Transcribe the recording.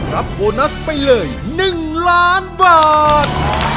รับโบนัสไปเลย๑ล้านบาท